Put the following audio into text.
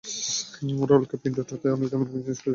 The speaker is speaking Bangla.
ওরা উল্কাপিন্ডটাতে অনেক দামী দামী জিনিস খুঁজে পেয়েছে।